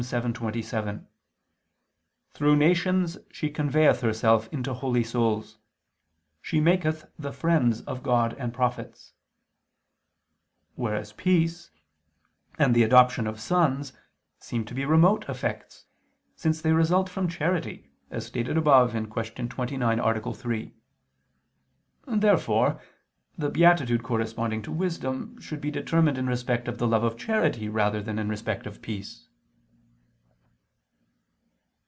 7:27: "Through nations she conveyeth herself into holy souls; she maketh the friends of God and prophets": whereas peace and the adoption of sons seem to be remote effects, since they result from charity, as stated above (Q. 29, A. 3). Therefore the beatitude corresponding to wisdom should be determined in respect of the love of charity rather than in respect of peace.